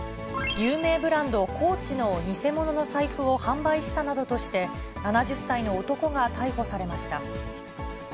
有名ブランド、コーチの偽物の財布を販売したなどとして、７０歳の男が逮捕されました。